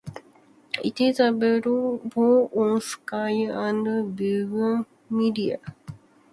It is available on Sky and Virgin Media.